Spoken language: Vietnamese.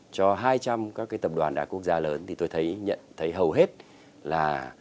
cho hai trăm linh các cái tập đoàn đại quốc gia lớn thì tôi nhận thấy hầu hết là